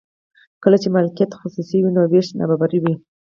کله چې مالکیت خصوصي وي نو ویش نابرابر وي.